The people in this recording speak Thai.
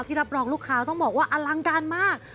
รับรองลูกค้าต้องบอกว่าอลังการมาก